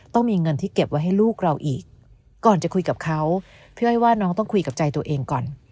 ต้องมีเงินที่เก็บไว้ให้ลูกเราอีกก่อนจะคุยกับเขาพี่อ้อยว่าน้องต้องคุยกับใจตัวเองก่อน